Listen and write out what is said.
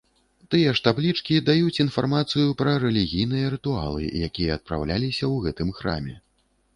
Тыя ж таблічкі даюць інфармацыю пра рэлігійныя рытуалы, якія адпраўляліся ў гэтым храме.